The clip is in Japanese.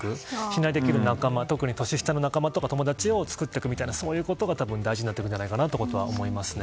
信頼できる仲間、年下の仲間とか友達を作っていくことが大事になってくるんじゃないかなと思いますね。